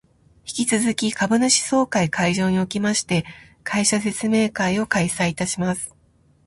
引き続き株主総会会場におきまして、会社説明会を開催いたします